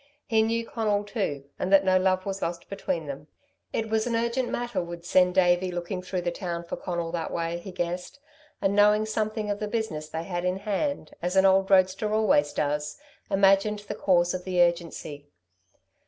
He knew Conal, too, and that no love was lost between them. It was an urgent matter would send Davey looking through the town for Conal that way, he guessed, and knowing something of the business they had in hand, as an old roadster always does, imagined the cause of the urgency.